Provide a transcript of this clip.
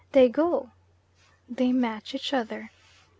They go" (they match each other).